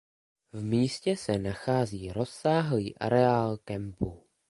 V místě se nachází rozsáhlý areál kempu.